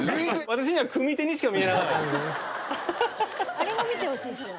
あれも見てほしいですよ。